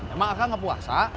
emang aku enggak puasa